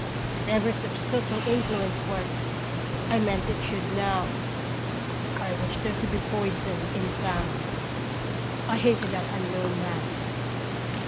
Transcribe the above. If ever such subtle influence worked, I meant it should now. I wished there could be poison in sound. I hated that unknown man.